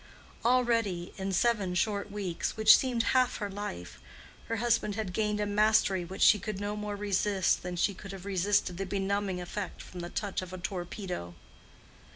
Already, in seven short weeks, which seemed half her life, her husband had gained a mastery which she could no more resist than she could have resisted the benumbing effect from the touch of a torpedo.